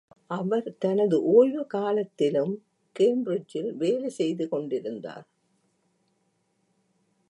அவர் தனது ஓய்வு காலத்திலும் கேம்பிரிட்ஜில் வேலை செய்து கொண்டிருந்தார்.